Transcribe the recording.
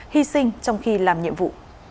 hy sinh trong khi làm nhiệm vụ